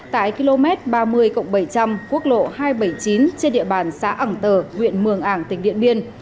tại km ba mươi bảy trăm linh quốc lộ hai trăm bảy mươi chín trên địa bàn xã ẳng tờ huyện mường ảng tỉnh điện biên